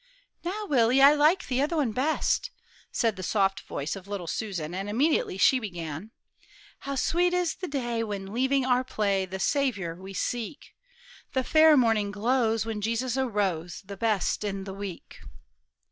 "Now, Willie, I like the other one best," said the soft voice of little Susan; and immediately she began: "How sweet is the day, When, leaving our play, The Saviour we seek! The fair morning glows When Jesus arose The best in the week."